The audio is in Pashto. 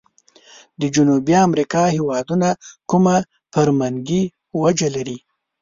د جنوبي امريکا هیوادونو کومه فرمنګي وجه لري؟